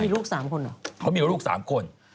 มีลูก๓คนเหรอเขามีลูก๓คน